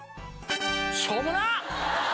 しょうもなっ！